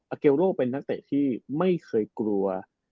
เกลโรเป็นนักเตะที่ไม่เคยกลัว